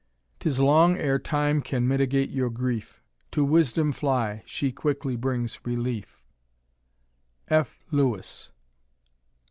*Tis long ere time can mitigate your grief; To wisdom fly, she quickly brings reliet" F. Lewis.